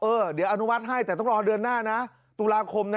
เดี๋ยวอนุมัติให้แต่ต้องรอเดือนหน้านะตุลาคมนะ